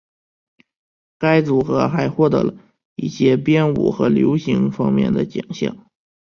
该组合还获得一些编舞和流行方面的奖项。